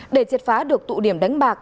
để triệt phá được tụ điểm đánh bạc